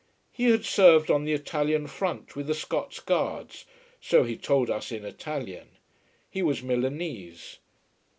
He had served on the Italian front with the Scots Guards so he told us in Italian. He was Milanese.